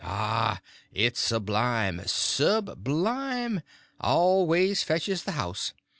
Ah, it's sublime, sublime! Always fetches the house.